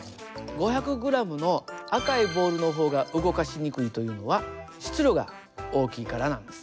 ５００ｇの赤いボールのほうが動かしにくいというのは「質量」が大きいからなんです。